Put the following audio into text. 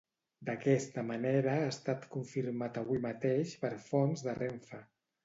D'aquesta manera ha estat confirmat avui mateix per fonts de Renfe.